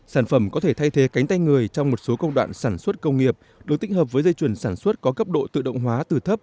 sản phẩm có thể thay thế cánh tay người trong một số công đoạn sản xuất công nghiệp được tích hợp với dây chuyển sản xuất có cấp độ tự động hóa từ thấp